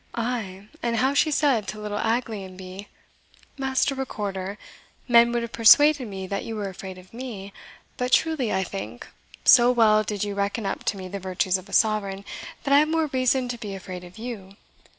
"Ay, and how she said to little Aglionby, 'Master Recorder, men would have persuaded me that you were afraid of me, but truly I think, so well did you reckon up to me the virtues of a sovereign, that I have more reason to be afraid of you.'